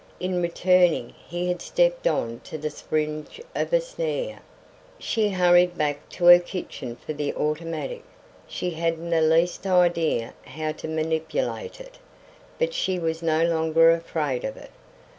In returning he had stepped on to the springe of a snare. She hurried back to her kitchen for the automatic. She hadn't the least idea how to manipulate it; but she was no longer afraid of it.